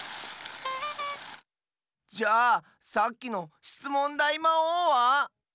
じゃさっきのしつもんだいまおうは？